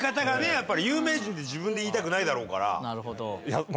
やっぱり有名人って自分で言いたくないだろうから。